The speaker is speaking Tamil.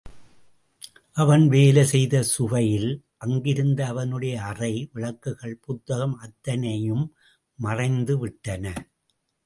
அவன் வேலை செய்த சுவையில், அங்கிருந்த அவனுடைய அறை விளக்குகள், புத்தகம் அத்தனையும் மறைந்து விட்டன.